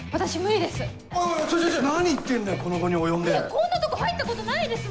こんなとこ入ったことないですもん！